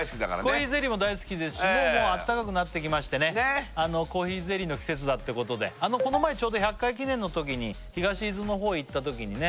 コーヒーゼリーも大好きですしもうもうあったかくなってきましてねねっコーヒーゼリーの季節だってことでこの前ちょうど１００回記念のときに東伊豆の方へ行ったときにね